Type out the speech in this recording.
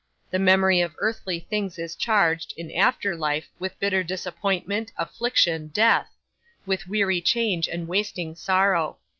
The memory of earthly things is charged, in after life, with bitter disappointment, affliction, death; with dreary change and wasting sorrow.